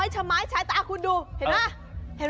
ชะม้อยช้ายตาคุณดูเห็นไหม